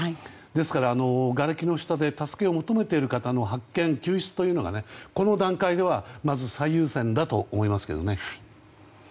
ですから、がれきの下で助けを求めている方の発見救出というのがこの段階では最優先だと思います。